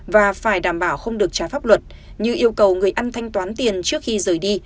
và phải đảm bảo không được trái pháp luật như yêu cầu người ăn thanh toán tiền trước khi rời đi